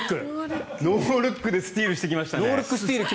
ノールックでスチールしてきましたね。